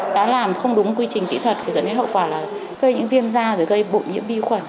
đã làm không đúng quy trình kỹ thuật thì dẫn đến hậu quả là gây những viêm da rồi gây bụi nhiễm vi khuẩn